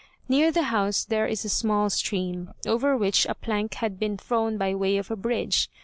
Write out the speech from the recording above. Near the house there is a small stream, over which a plank had been thrown by way of a bridge.